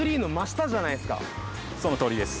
そのとおりです。